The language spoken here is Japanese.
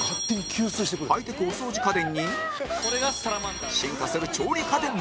ハイテクお掃除家電に進化する調理家電も